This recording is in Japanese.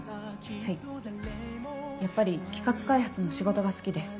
はいやっぱり企画開発の仕事が好きで。